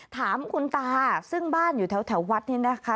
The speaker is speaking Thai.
ถามคุณตาซึ่งบ้านอยู่แถววัดนี่นะคะ